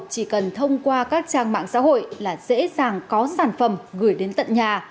chỉ cần thông qua các trang mạng xã hội là dễ dàng có sản phẩm gửi đến tận nhà